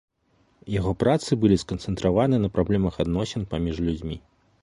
Яго працы былі сканцэнтраваны на праблемах адносін паміж людзьмі.